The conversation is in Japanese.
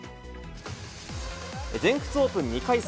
全仏オープン２回戦。